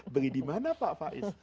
beli dimana pak faiz